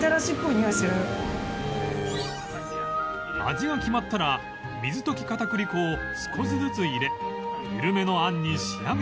味が決まったら水溶き片栗粉を少しずつ入れ緩めのあんに仕上げていく